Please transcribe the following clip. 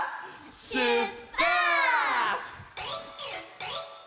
しゅっぱつ！